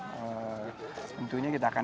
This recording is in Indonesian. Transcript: tentunya kita akan